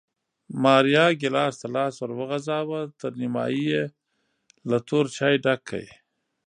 ماریا ګېلاس ته لاس ور وغځاوه، تر نیمایي یې له تور چای ډک کړ